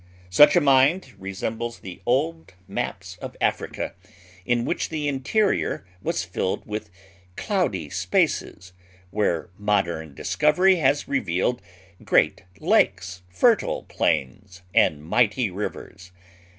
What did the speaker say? Such a mind resembles the old maps of Africa in which the interior was filled with cloudy spaces, where modern discovery has revealed great lakes, fertile plains, and mighty rivers.